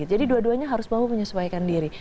jadi dua duanya harus mau menyesuaikan diri